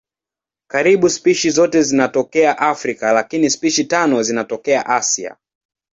Karibu spishi zote zinatokea Afrika lakini spishi tano zinatokea Asia.